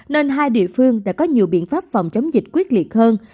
nên hai địa phương đã có nhiều biện pháp phòng chống dịch quyết liệt hơn